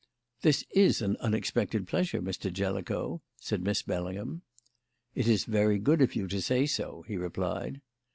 "This is an unexpected pleasure, Mr. Jellicoe," said Miss Bellingham. "It is very good of you to say so," he replied.